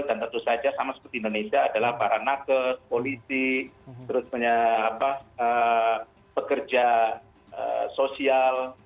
dan tentu saja sama seperti indonesia adalah para nakas polisi pekerja sosial